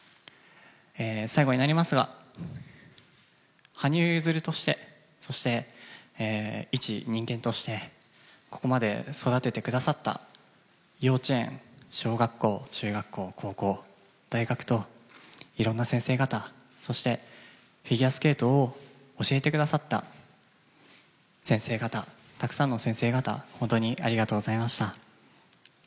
最後になりますが、羽生結弦として、そして、いち人間として、ここまで育ててくださった幼稚園、小学校、中学校、高校、大学と、いろいろな先生方、そして、フィギュアスケートを教えてくださった先生方、たくさんの先生方、本当にありがとうございました。